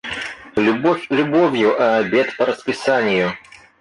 Любовь любовью, а обед по расписанию.